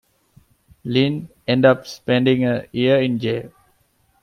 Lind ended up spending a year in jail.